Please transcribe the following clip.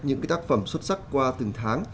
những cái tác phẩm xuất sắc qua từng tháng